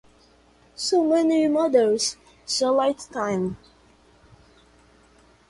So many models, so little time.